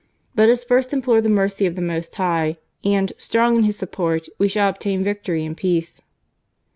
Let us first implore the mercy of the Most High, and, strong in His support, we shall obtain victory and peace."